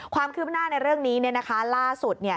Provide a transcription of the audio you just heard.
ความคืบหน้าในเรื่องนี้ล่าสุด